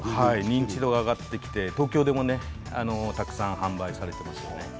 認知度が上がってきて東京でもたくさん販売されていますね。